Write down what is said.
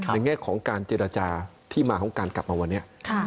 แง่ของการเจรจาที่มาของการกลับมาวันนี้